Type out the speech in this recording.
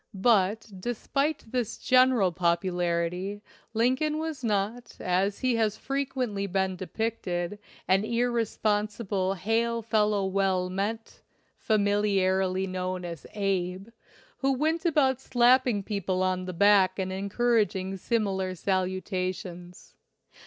But, despite this general 174 LIFE ON THE ILLINOIS CIRCUIT popularity, Lincoln was not, as he has frequently been depicted, an irresponsible hail fellow well met, familiarly known as "Abe," who went about slapping people on the back and encourag ing similar salutations.